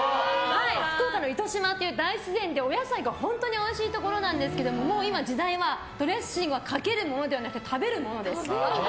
福岡の糸島っていう大自然でお野菜が本当においしいところなんですけど今もう時代は、ドレッシングはかけるものではなくて食べるものです。